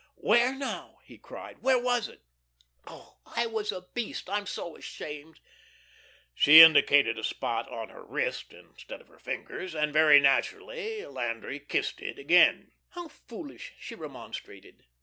"Where now," he cried, "where was it? Ah, I was a beast; I'm so ashamed." She indicated a spot on her wrist instead of her fingers, and very naturally Landry kissed it again. "How foolish!" she remonstrated.